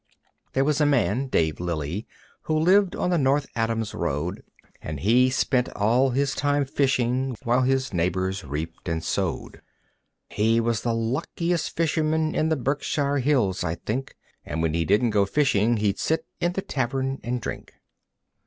There was a man, Dave Lilly, who lived on the North Adams road, And he spent all his time fishing, while his neighbors reaped and sowed. He was the luckiest fisherman in the Berkshire hills, I think. And when he didn't go fishing he'd sit in the tavern and drink.